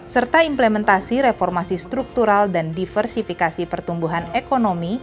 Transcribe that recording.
serta implementasi reformasi struktural dan diversifikasi pertumbuhan ekonomi